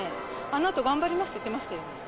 あのあと頑張りますって言ってましたよね。